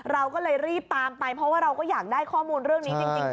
เราก็เลยรีบตามไปเพราะว่าเราก็อยากได้ข้อมูลเรื่องนี้จริง